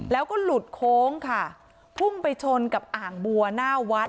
แล้วก็หลุดโค้งค่ะพุ่งไปชนกับอ่างบัวหน้าวัด